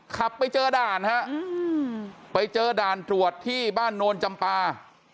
ขับไปเจอด่านฮะไปเจอด่านตรวจที่บ้านโนนจำปา